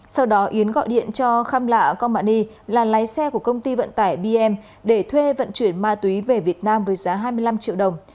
sau đó yến gọi điện cho kham lạ co mạn ni là lái xe của công ty vận tải bm để thuê vận chuyển ma túy về việt nam với giá hai mươi năm triệu đồng